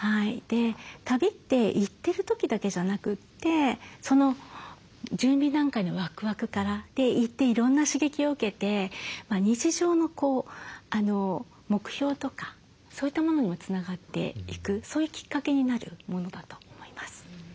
旅って行ってる時だけじゃなくてその準備段階のワクワクから行っていろんな刺激を受けて日常の目標とかそういったものにもつながっていくそういうきっかけになるものだと思います。